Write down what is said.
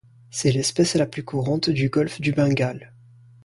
C'est l'espèce la plus courante du Golfe du Bengale.